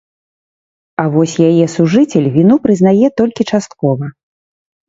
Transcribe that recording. А вось яе сужыцель віну прызнае толькі часткова.